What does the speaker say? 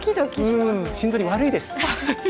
うん心臓に悪いです。